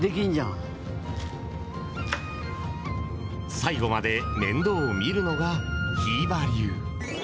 最後まで面倒をみるのがひーば流。